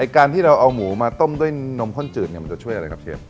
การที่เราเอาหมูมาต้มด้วยนมข้นจืดมันจะช่วยอะไรครับเชฟ